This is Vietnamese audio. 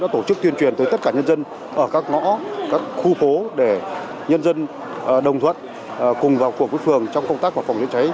tổ chức tuyên truyền tới tất cả nhân dân ở các ngõ các khu phố để nhân dân đồng thuận cùng vào cuộc với phường trong công tác phòng cháy cháy